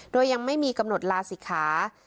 โดยยังไม่มีกำหนดลาศิกขา